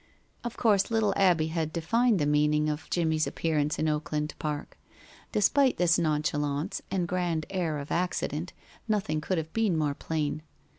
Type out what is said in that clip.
Of course little Abbie had defined the meaning of Jimmie's appearance in Oakland Park. Despite this nonchalance and grand air of accident, nothing could have been more plain.